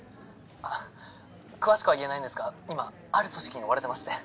あっ詳しくは言えないんですが今ある組織に追われてまして。